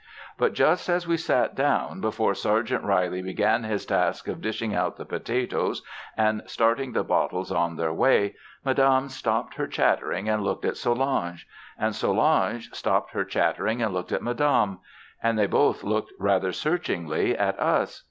But just as we sat down, before Sergeant Reilly began his task of dishing out the potatoes and starting the bottles on their way, Madame stopped her chattering and looked at Solange. And Solange stopped her chattering and looked at Madame. And they both looked rather searchingly at us.